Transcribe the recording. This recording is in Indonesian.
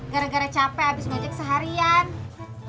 gara gara capek abis ngajak seharian